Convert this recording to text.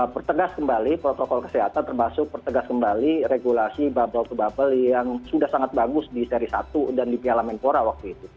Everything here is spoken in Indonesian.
pertegas kembali protokol kesehatan termasuk pertegas kembali regulasi bubble to bubble yang sudah sangat bagus di seri satu dan di piala menpora waktu itu